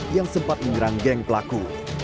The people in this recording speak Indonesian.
yang sempat menyerang geng pelaku